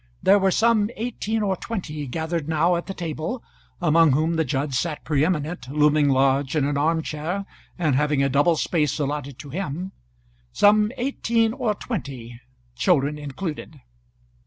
There were some eighteen or twenty gathered now at the table, among whom the judge sat pre eminent, looming large in an arm chair and having a double space allotted to him; some eighteen or twenty, children included.